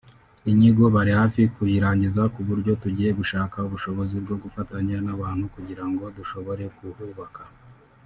inyigo bari hafi kuyirangiza ku buryo tugiye gushaka ubushobozi bwo gufatanya n’abantu kugira ngo dushobore kuhubaka